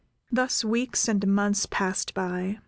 Thus weeks and months passed by.